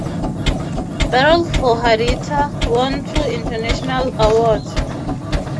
"Battle for Haditha" won two international awards.